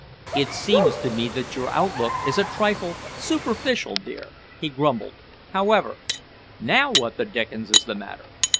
"It seems to me that your outlook is a trifle superficial, dear," he grumbled. "However now what the dickens is the matter?"